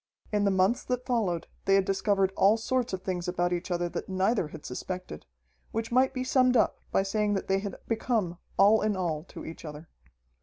In the months that followed they had discovered all sorts of things about each other that neither had suspected, which might be summed up by saying that they had become all in all to each other.